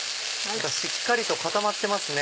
しっかりと固まってますね。